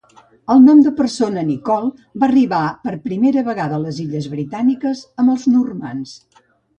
El nom de persona "Nicol" va arribar per primera vegada a les Illes Britàniques amb els normands.